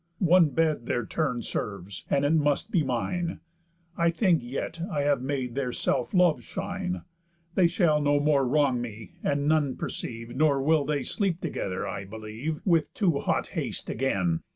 One bed their turn serves, and it must be mine; I think yet, I have made their self loves shine. They shall no more wrong me, and none perceive; Nor will they sleep together, I believe, With too hot haste again.